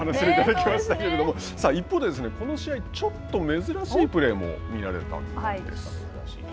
一方でこの試合ちょっと珍しいプレーも見られたんです。